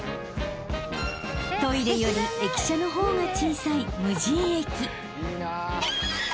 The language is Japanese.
［トイレより駅舎の方が小さい無人駅］